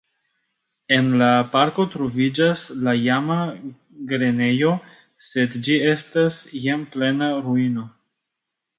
En la parko troviĝas la iama grenejo, sed ĝi estas jam plena ruino.